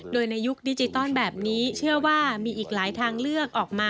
โดยในยุคดิจิตอลแบบนี้เชื่อว่ามีอีกหลายทางเลือกออกมา